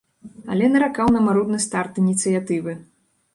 Але наракаў на марудны старт ініцыятывы.